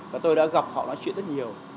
và tôi đã gặp họ nói chuyện rất nhiều